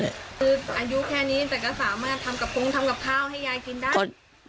คืออายุแค่นี้แต่ก็สามารถทำกระโปรงทำกับข้าวให้ยายกินได้